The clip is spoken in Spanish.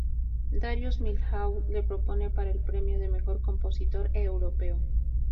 Darius Milhaud le propone para el premio de Mejor compositor europeo.